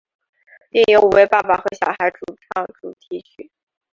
并由五位爸爸和小孩主唱主题曲。